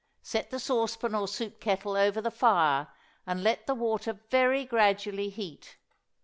Set the saucepan or soup kettle over the fire and let the water very gradually heat.